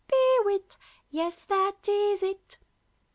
pee wit! Yes, that is it!